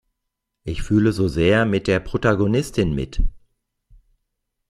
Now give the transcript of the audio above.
Ich fühle so sehr mit der Protagonistin mit.